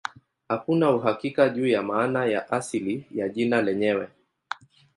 Hakuna uhakika juu ya maana ya asili ya jina lenyewe.